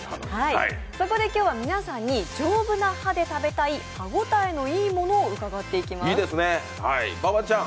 そこで今日は皆さんに丈夫な歯で食べたい歯応えのいいものを伺っていきます。